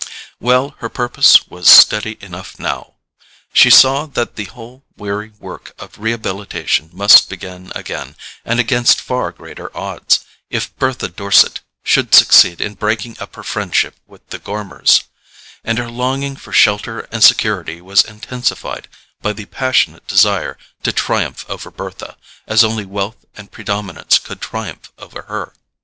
Well, her purpose was steady enough now. She saw that the whole weary work of rehabilitation must begin again, and against far greater odds, if Bertha Dorset should succeed in breaking up her friendship with the Gormers; and her longing for shelter and security was intensified by the passionate desire to triumph over Bertha, as only wealth and predominance could triumph over her.